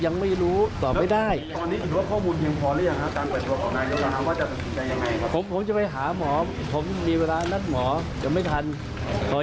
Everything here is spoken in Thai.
นี่เดี๋ยวจะล้มเดี๋ยวจะโดนเสา